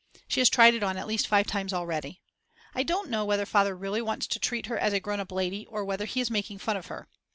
She has tried it on at least five times already. I don't know whether Father really wants to treat her as a grown up lady or whether he is making fun of her.